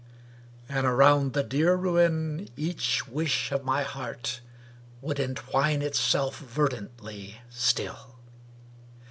And around the dear ruin each wish of my heart Would entwine itself verdantly still.